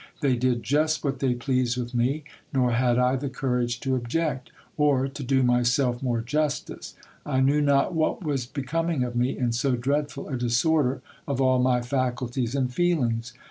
They did just what they pleased with me ; nor had I the courage to object : or, to do myself more justice, I knew not what was becoming of me, in so dreadful a disorder of all my faculties and feelings.